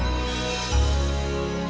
kalau kutus silakan berlantaun